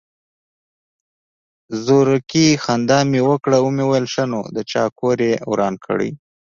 زورکي خندا مې وکړه ومې ويل ښه نو د چا کور يې وران کړى.